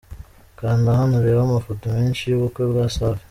Kanda hano urebe amafoto menshi y’ubukwe bwa Safi.